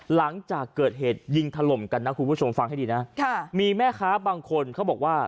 หลังจากเกิดเหตุยิงถล่มกันนะคุณผู้ชมฟังให้ดีนะค่ะมีแม่ค้าบางคนเขาบอกว่า